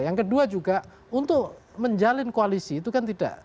yang kedua juga untuk menjalin koalisi itu kan tidak